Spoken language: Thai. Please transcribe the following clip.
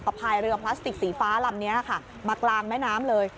พายเรือพลาสติกสีฟ้าลำนี้ค่ะมากลางแม่น้ำเลย